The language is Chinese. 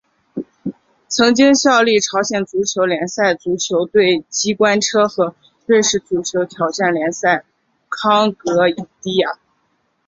曾经效力朝鲜足球联赛足球队机关车和瑞士足球挑战联赛康戈迪亚。